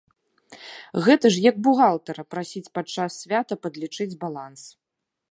Гэта ж як бухгалтара прасіць падчас свята падлічыць баланс.